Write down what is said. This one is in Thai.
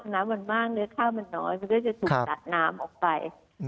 น้ำมันมากเนื้อข้าวมันน้อยมันก็จะถูกตัดน้ำออกไป